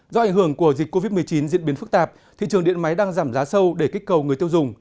do ảnh hưởng của dịch covid một mươi chín diễn biến phức tạp thị trường điện máy đang giảm giá sâu để kích cầu người tiêu dùng